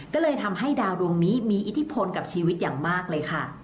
ก็เลยทำให้ดาวดวงนี้มีอิทธิพลกับชีวิตอย่างมากเลยค่ะ